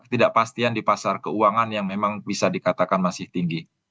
ketidakpastian di pasar keuangan yang memang bisa dikatakan masih tinggi